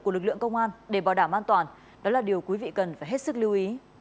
của lực lượng công an để bảo đảm an toàn đó là điều quý vị cần phải hết sức lưu ý